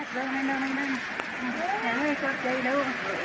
ถ้าอย่างน้อยจะตกเลย